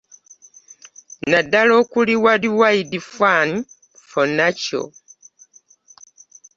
Naddala okuli; World Wide Fund For Nature